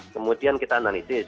kemudian kita analisis